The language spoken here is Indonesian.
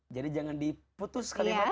jadi jangan diputus kalimat